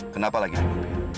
kenapa lagi di mobil